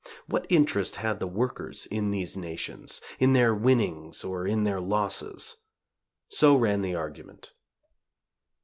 What interest had the workers in these nations? in their winnings or in their losses? So ran the argument.